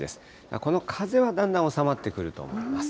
この風はだんだん収まってくると思います。